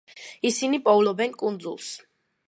ისინი პოულობენ კუნძულს.